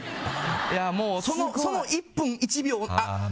いや、もうその１分１秒。